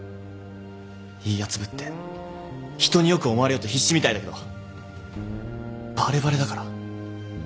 いいやつぶって人に良く思われようと必死みたいだけどバレバレだから。